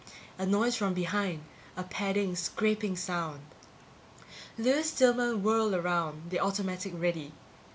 A noise from behind a padding, scraping sound. Lewis Stillman whirled around, the automatic ready.